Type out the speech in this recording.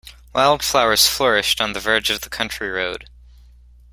Wildflowers flourished on the verge of the country road